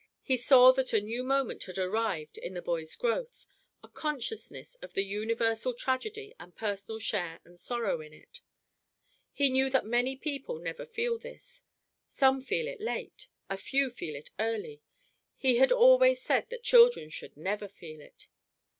He saw that a new moment had arrived in the boy's growth a consciousness of the universal tragedy and personal share and sorrow in it. He knew that many people never feel this; some feel it late; a few feel it early; he had always said that children should never feel it.